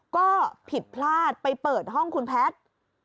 ก็ผิดพลาดไปเปิดห้องคุณแพทย์